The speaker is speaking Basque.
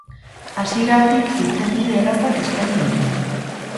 Hasieratik irtenbide errazak eskaini ditut.